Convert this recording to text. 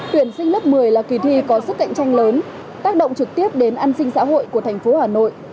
tuyển sinh lớp một mươi là kỳ thi có sức cạnh tranh lớn tác động trực tiếp đến an sinh xã hội của thành phố hà nội